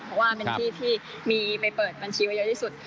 เพราะว่าเป็นที่ที่มีไปเปิดบัญชีไว้เยอะที่สุด